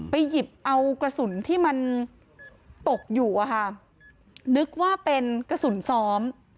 หยิบเอากระสุนที่มันตกอยู่อะค่ะนึกว่าเป็นกระสุนซ้อม